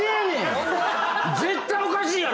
絶対おかしいやろ！